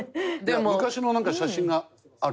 昔のなんか写真がある？